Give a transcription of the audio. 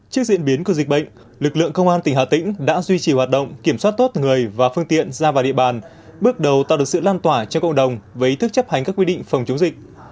trước diễn biến của dịch bệnh lực lượng công an tỉnh hà tĩnh đã duy trì hoạt động kiểm soát tốt người và phương tiện ra vào địa bàn bước đầu tạo được sự lan tỏa cho cộng đồng với ý thức chấp hành các quy định phòng chống dịch